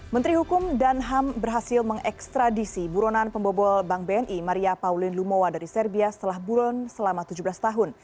menteri hukum dan ham berhasil mengekstradisi buronan pembobol bank bni maria pauline lumowa dari serbia setelah buron selama tujuh belas tahun